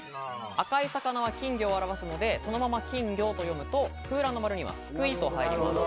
赤い魚は金魚を表すのでそのまま金魚と読むと空欄の○にはすくいと入ります。